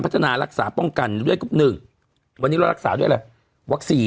พัฒนารักษาป้องกันด้วยกลุ่มหนึ่งวันนี้เรารักษาด้วยอะไร